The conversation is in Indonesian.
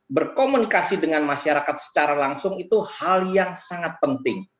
berkomunikasi dengan masyarakat secara langsung itu hal yang sangat penting